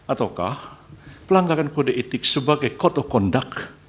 ataukah pelanggaran kode etik sebagai kodok kondak